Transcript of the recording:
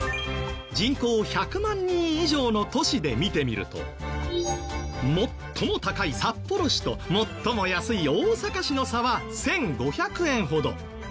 人口１００万人以上の都市で見てみると最も高い札幌市と最も安い大阪市の差は１５００円ほど。